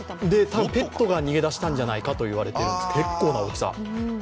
多分、ペットが逃げ出したんじゃないかと言われているんです、結構な大きさ。